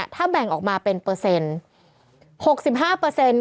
ถ้าแบ่งออกมาเป็นเปอร์เซ็นต์